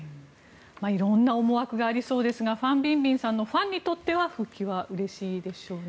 色んな思惑がありそうですがファン・ビンビンさんのファンにとっては復帰はうれしいでしょうね。